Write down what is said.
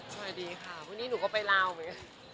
ภัดีค่ะวันนี้หนูก็ไปลาวน์